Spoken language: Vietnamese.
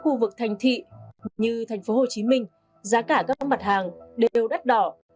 khu vực thành thị như thành phố hồ chí minh giá cả các mặt hàng đều đắt đỏ